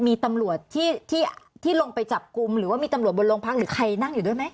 มีตำรวจที่ลงไปจับกลุ่มหรือว่ามีตำรวจบนโรงพักหรือใครนั่งอยู่ด้วยไหม